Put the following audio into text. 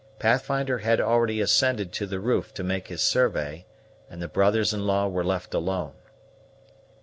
Pathfinder had already ascended to the roof to make his survey, and the brothers in law were left alone.